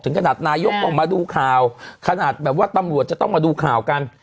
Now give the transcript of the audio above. ขนาดนายกออกมาดูข่าวขนาดแบบว่าตำรวจจะต้องมาดูข่าวกัน